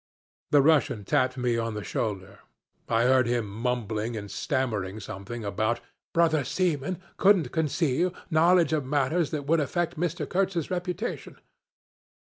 ... The Russian tapped me on the shoulder. I heard him mumbling and stammering something about 'brother seaman couldn't conceal knowledge of matters that would affect Mr. Kurtz's reputation.'